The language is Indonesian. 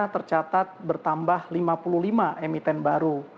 tercatat bertambah lima puluh lima emiten baru